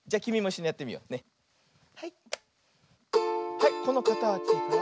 はいこのかたちから。